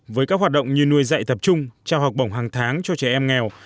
với các hoạt động như nuôi dạy tập trung trao học bổng hàng tháng cho trẻ em nghèo